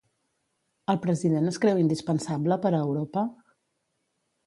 El president es creu indispensable per a Europa?